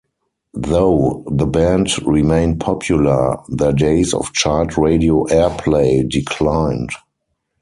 Though the band remained popular, their days of chart radio airplay declined.